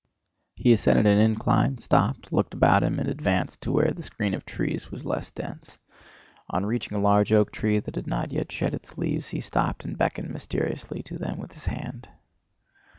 He ascended an incline, stopped, looked about him, and advanced to where the screen of trees was less dense. On reaching a large oak tree that had not yet shed its leaves, he stopped and beckoned mysteriously to them with his hand.